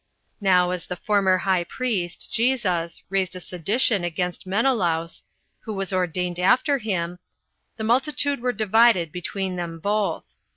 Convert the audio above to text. Now as the former high priest, Jesus, raised a sedition against Menelaus, who was ordained after him, the multitude were divided between them both.